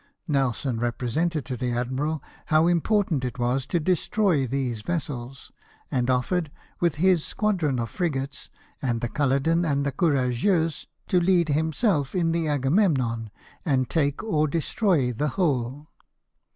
Nelson represented to the admiral how important it was to destroy these vessels ; and offered, with his squadron of frigates, and the Cidloden and Courageux, to lead himself in the Agamemnon, and take or destroy the whole.